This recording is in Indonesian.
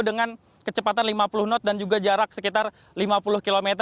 dengan kecepatan lima puluh knot dan juga jarak sekitar lima puluh km